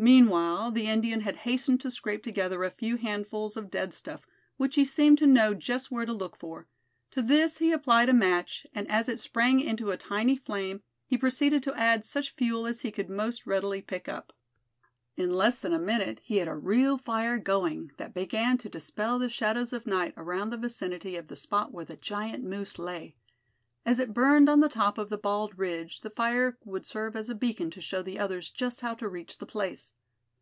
Meanwhile the Indian had hastened to scrape together a few handfuls of dead stuff, which he seemed to know just where to look for; to this he applied a match and as it sprang into a tiny flame, he proceeded to add such fuel as he could most readily pick up. In less than a minute he had a real fire going, that began to dispel the shadows of night around the vicinity of the spot where the giant moose lay. As it burned on the top of the bald ridge, the fire would serve as a beacon to show the others just how to reach the place.